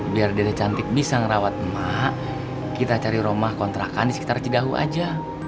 biar dia cantik bisa ngerawat emak kita cari rumah kontrakan di sekitar cidahu aja